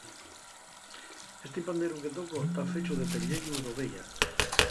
Esti panderu que toco ta fechu de pelleyu d'oveya.